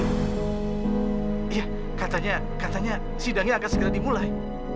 iya katanya sidangnya akan dimulai